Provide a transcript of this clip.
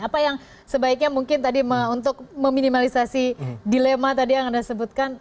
apa yang sebaiknya mungkin tadi untuk meminimalisasi dilema tadi yang anda sebutkan